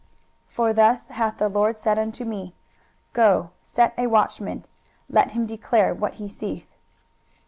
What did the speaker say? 23:021:006 For thus hath the LORD said unto me, Go, set a watchman, let him declare what he seeth.